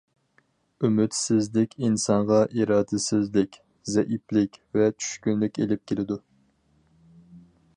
ئۈمىدسىزلىك ئىنسانغا ئىرادىسىزلىك، زەئىپلىك ۋە چۈشكۈنلۈك ئېلىپ كېلىدۇ.